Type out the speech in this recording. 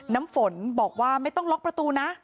น้ำฝนบอกว่าไม่ต้องล็อกประตูนะ